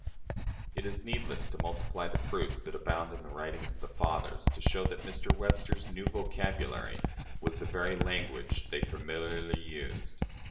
" It is needless to multiply the proofs that abound in the writings of the "fathers" to show that Mr. Webster's "new vocabulary" was the very language they familiarly used.